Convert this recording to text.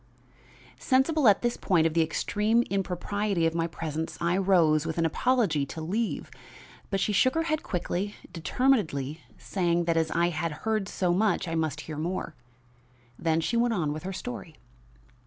Sensible at this point of the extreme impropriety of my presence, I rose, with an apology, to leave. But she shook her head quickly, determinedly, saying that as I had heard so much I must hear more. Then she went on with her story.